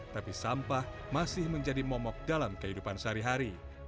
tapi sampah masih menjadi momok dalam kehidupan sehari hari